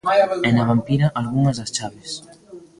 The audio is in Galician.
E na Vampira, algunhas das chaves.